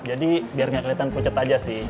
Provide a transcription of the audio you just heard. jadi biar gak kelihatan pucet aja sih